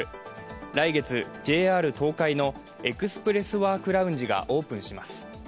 来月ＪＲ東海のエクスプレス・ワーク・ラウンジがオープンします。